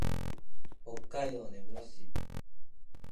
北海道根室市